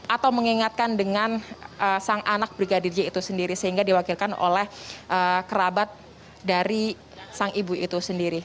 atau mengingatkan dengan sang anak brigadir j itu sendiri sehingga diwakilkan oleh kerabat dari sang ibu itu sendiri